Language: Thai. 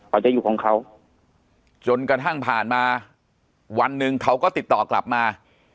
เขาจะอยู่ของเขาจนกระทั่งผ่านมาวันหนึ่งเขาก็ติดต่อกลับมา